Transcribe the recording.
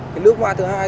cái nước hoa thứ hai